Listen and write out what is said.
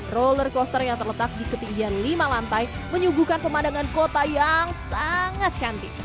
roller coaster yang terletak di ketinggian lima lantai menyuguhkan pemandangan kota yang sangat cantik